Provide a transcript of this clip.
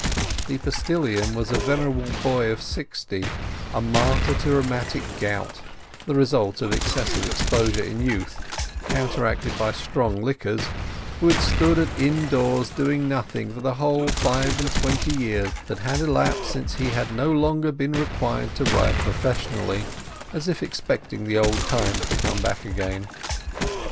The postilion was a venerable "boy" of sixty—a martyr to rheumatic gout, the result of excessive exposure in youth, counter acted by strong liquors—who had stood at inn doors doing nothing for the whole five and twenty years that had elapsed since he had no longer been required to ride professionally, as if expecting the old times to come back again.